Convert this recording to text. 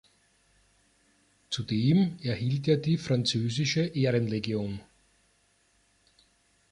Zudem erhielt er die französische Ehrenlegion.